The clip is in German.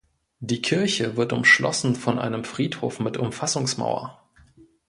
Die Kirche wird umschlossen von einem Friedhof mit Umfassungsmauer.